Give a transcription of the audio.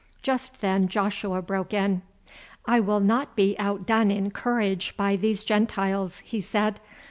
Just then Joshua broke in: "I will not be outdone in courage by these Gentiles," he said.